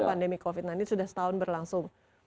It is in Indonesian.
pandemi covid sembilan belas sudah setahun berlangsung